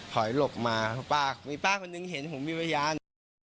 ถอยหลบมาป้ามีป้าคนหนึ่งเห็นผมมีพยาน